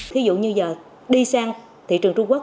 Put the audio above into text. thí dụ như giờ đi sang thị trường trung quốc